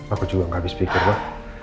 aku juga gak habis pikir wah